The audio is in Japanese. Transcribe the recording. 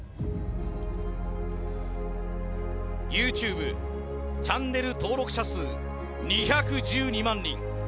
ＹｏｕＴｕｂｅチャンネル登録者数２１２万人。